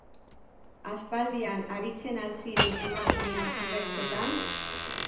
Aspaldian aritzen al ziren emakumeak bertsotan?